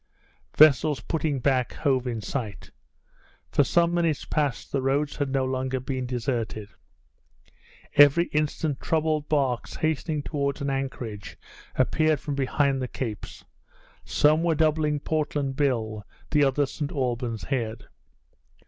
Vessels putting back hove in sight. For some minutes past the roads had no longer been deserted. Every instant troubled barks hastening towards an anchorage appeared from behind the capes; some were doubling Portland Bill, the others St. Alban's Head.